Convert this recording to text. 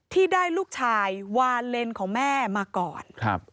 ที่ได้ลูกชายวาเลนของแม่มาก่อนครับ